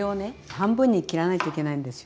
半分に切らないといけないんですよ。